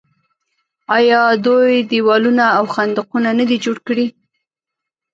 آیا دوی دیوالونه او خندقونه نه دي جوړ کړي؟